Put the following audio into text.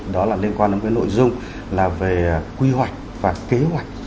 đó là liên quan đến cái nội dung là về quy hoạch và kế hoạch